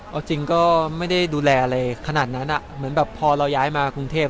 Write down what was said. เอาจริงก็ไม่ได้ดูแลอะไรขนาดนั้นเหมือนแบบพอเราย้ายมากรุงเทพ